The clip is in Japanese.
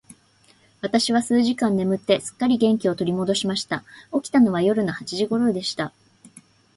私は数時間眠って、すっかり元気を取り戻しました。起きたのは夜の八時頃でした。